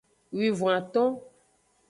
Wivon-aton.